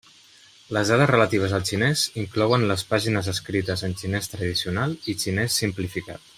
Les dades relatives al xinès inclouen les pàgines escrites en xinès tradicional i xinès simplificat.